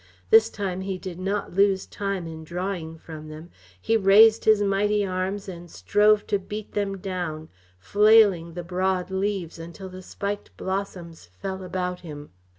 This time he did not lose time in drawing from them; he raised his mighty arms and strove to beat them down, flailing the broad leaves until the spiked blossoms fell about him.